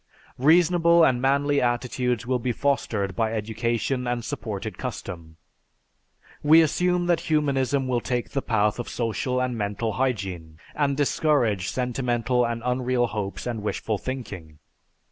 Reasonable and manly attitudes will be fostered by education and supported custom. "We assume that humanism will take the path of social and mental hygiene, and discourage sentimental and unreal hopes and wishful thinking.